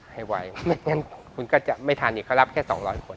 ให้ว่ายเมื่อกั้นคุณก็จะไม่ทันอีกเขารับแค่สองร้อนคน